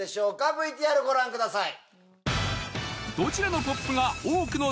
ＶＴＲご覧ください。